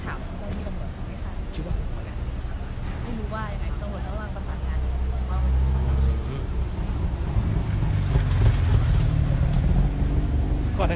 แต่จะอยุ่งกันหลายครอบครัว